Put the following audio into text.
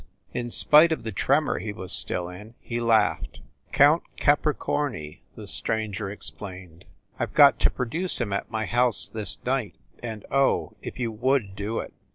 In spite of the tremor he was still in, he laughed. "Count Capricorni," the stranger explained. "I ve got to produce him at my house this night, and oh, if you would do it!